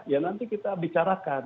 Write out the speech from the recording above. ya nanti kita bicarakan